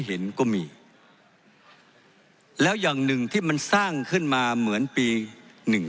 เห็นก็มีแล้วอย่างหนึ่งที่มันสร้างขึ้นมาเหมือนปีหนึ่ง